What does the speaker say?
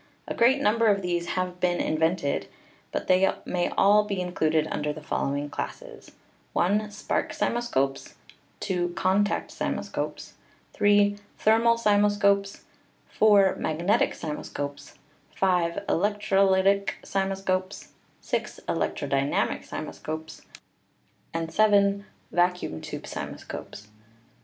A great number of these have been invented, but they may all be included under the following classes: i, spark cymo scopes; 2, contact cymoscopes; 3, thermal cymoscopes; 4, magnetic cymoscopes; 5, electrolytic cymoscopes; 6, electrodynamic cymoscopes; 7, vacuum tube cymoscopes.